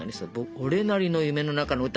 俺なりの「夢の中の歌」。